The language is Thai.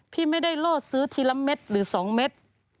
พี่ไม่ได้โลดซื้อทีละเม็ดหรือ๒เม็ด